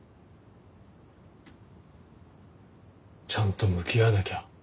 ちゃんと向き合わなきゃ。